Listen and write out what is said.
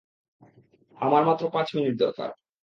আমার মাত্র পাঁচ মিনিট দরকার।